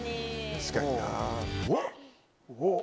確かにな。